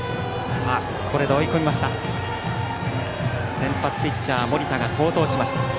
先発ピッチャー、盛田が好投しました。